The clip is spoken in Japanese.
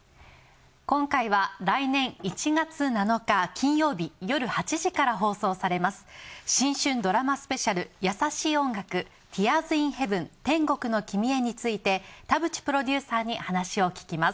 今回は来年１月７日金曜日夜８時から放送されます『新春ドラマスペシャル優しい音楽ティアーズ・イン・ヘヴン天国のきみへ』について田淵プロデューサーに話を聞きます。